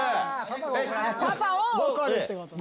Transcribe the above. パパを怒るってことね。